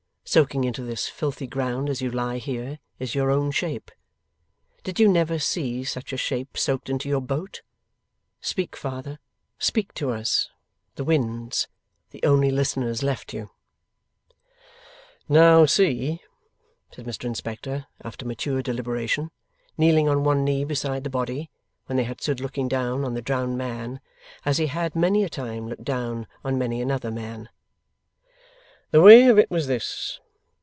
Soaking into this filthy ground as you lie here, is your own shape. Did you never see such a shape soaked into your boat? Speak, Father. Speak to us, the winds, the only listeners left you! 'Now see,' said Mr Inspector, after mature deliberation: kneeling on one knee beside the body, when they had stood looking down on the drowned man, as he had many a time looked down on many another man: 'the way of it was this.